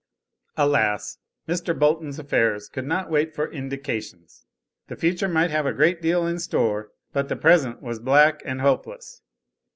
Alas! Mr. Bolton's affairs could not wait for "indications." The future might have a great deal in store, but the present was black and hopeless.